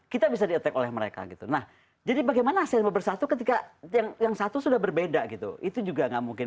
kita bisa di attack oleh mereka jadi bagaimana asean bisa bersatu ketika yang satu sudah berbeda gitu itu juga tidak mungkin